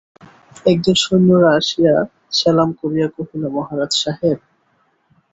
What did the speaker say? একদিন সৈন্যেরা আসিয়া সেলাম করিয়া কহিল, মহারাজ সাহেব!